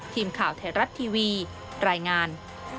ทีมข่าวไทยรัฐทีวีรายงาน